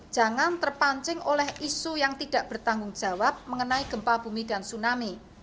jangan terpancing oleh isu yang tidak bertanggung jawab mengenai gempa bumi dan tsunami